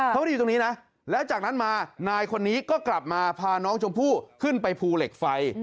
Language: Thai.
เขาไม่ได้อยู่ตรงนี้นะแล้วจากนั้นมานายคนนี้ก็กลับมาพาน้องชมพู่ขึ้นไปภูเหล็กไฟ